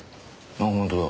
あっ本当だ。